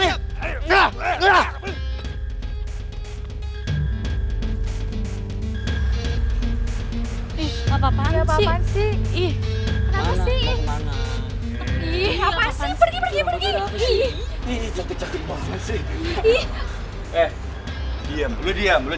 patah banget tiwanya saya